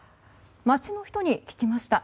街の人に聞きました。